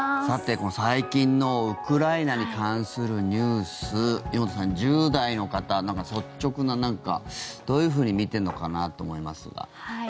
さて、最近のウクライナに関するニュース井本さん、１０代の方率直な、なんかどういうふうに見てるのかなと思いますが。